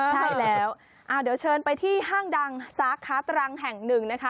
ใช่แล้วเดี๋ยวเชิญไปที่ห้างดังสาขาตรังแห่งหนึ่งนะคะ